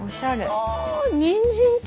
あにんじんとか。